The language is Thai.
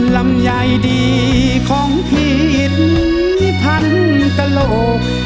ลำไยดีของพี่นี้พันกะโลก